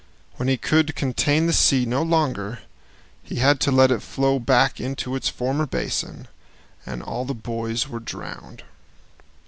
When he could contain the sea no longer, he had to let it flow back into its former basin, and all the boys were drowned.